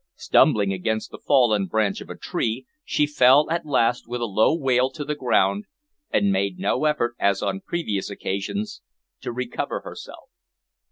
Stumbling against the fallen branch of a tree, she fell at last with a low wail to the ground, and made no effort, as on previous occasions, to recover herself.